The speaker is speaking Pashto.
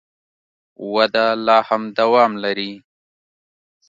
وده لا هم دوام لري.